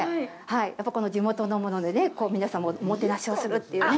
やっぱり、この地元のもので皆さんをおもてなしをするっていうね。